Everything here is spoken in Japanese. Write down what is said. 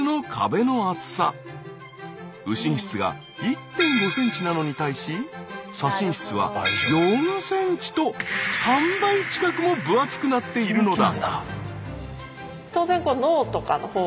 右心室が１．５ｃｍなのに対し左心室は４ｃｍと３倍近くも分厚くなっているのだ。